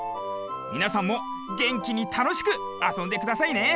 みなさんもげんきにたのしくあそんでくださいね。